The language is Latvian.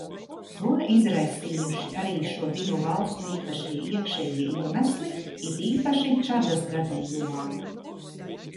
To izraisījuši arī šo divu valstu īpašie iekšējie iemesli, it īpaši Čadas gadījumā.